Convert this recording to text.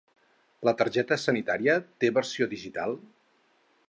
La targeta sanitària té versió digital?